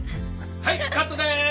はいカットです。